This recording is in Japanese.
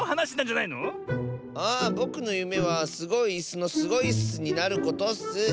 あぼくのゆめはスゴいいすの「スゴいっす」になることッス。